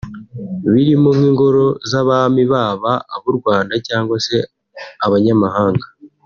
birimo nk’ingoro z’abami baba ab’u Rwanda cyangwa se abanyamahanga